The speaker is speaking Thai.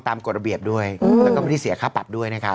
กฎระเบียบด้วยแล้วก็ไม่ได้เสียค่าปรับด้วยนะครับ